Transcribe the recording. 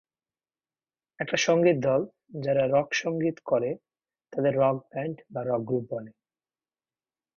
একটা সংগীত দল যারা রক সংগীত করে তাদের রক ব্যান্ড বা রক গ্রুপ বলে।